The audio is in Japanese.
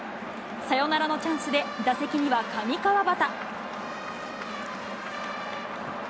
サヨナラのチャンスで、打席には上川畑。